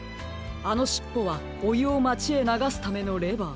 あのしっぽはおゆをまちへながすためのレバー。